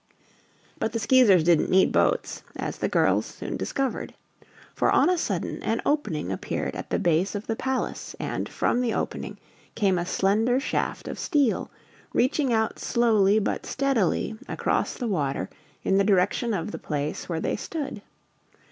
But the Skeezers didn't need boats, as the girls soon discovered. For on a sudden an opening appeared at the base of the palace and from the opening came a slender shaft of steel, reaching out slowly but steadily across the water in the direction of the place where they stood.